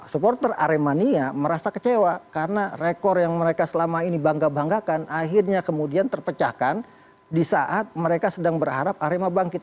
supporter aremania merasa kecewa karena rekor yang mereka selama ini bangga banggakan akhirnya kemudian terpecahkan di saat mereka sedang berharap arema bangkit